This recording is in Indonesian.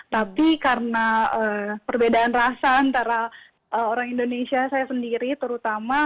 tapi karena perbedaan rasa antara orang indonesia saya sendiri terutama